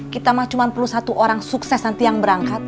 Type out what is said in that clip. kita mah cuma perlu satu orang sukses nanti yang berangkat